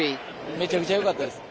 めちゃくちゃよかったです。